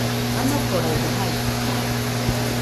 Janokoraɨdo jaitɨkaɨ.